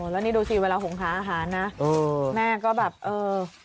แล้วนี่ดูสิเวลาหงหาอาหารนะแม่ก็แบบเออ